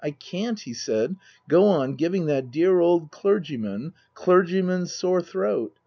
I can't," he said, "go on giving that dear old clergyman clergyman's sore throat.